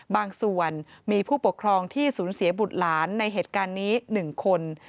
บางส่วนมีผู้ปกครองที่สูญเสียบุตรหลานในเหตุการณ์นี้๑คน